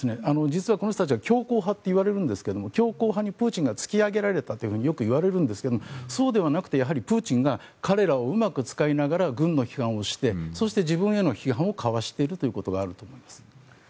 実はこの人たちは強硬派といわれるんですが強硬派にプーチンが突き上げられたとよくいわれるんですがそうではなくてプーチンが彼らをうまく使いながら軍の批判をしてそして自分への批判をかわしているということもあると思います。